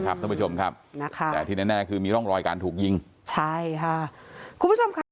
ครับทุกผู้ชมครับที่แน่คือมีร่องรอยการถูกยิงคุณผู้ชม